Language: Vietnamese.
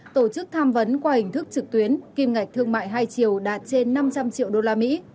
tổ chức tham vấn qua hình thức trực tuyến kim ngạch thương mại hai triều đạt trên năm trăm linh triệu usd